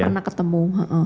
saya pernah ketemu